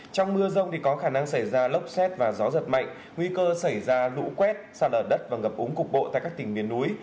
trong mưa rông thì có khả năng xảy ra lốc xét và gió giật mạnh nguy cơ xảy ra lũ quét xa lở đất và ngập úng cục bộ tại các tỉnh miền núi